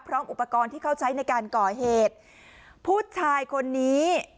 พร้อมอุปกรณ์ที่เขาใช้ในการก่อเหตุผู้ชายคนนี้